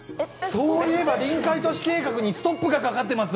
そういえば臨海都市計画にストップがかかってます